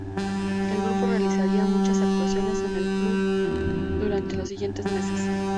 El grupo realizaría muchas actuaciones en el pub durante los siguientes meses.